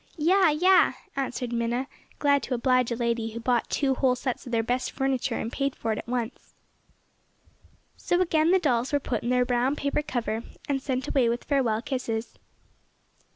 "Ja, ja," answered Minna, glad to oblige a lady who bought two whole sets of their best furniture and paid for it at once. So again the dolls were put in their brown paper cover and sent away with farewell kisses.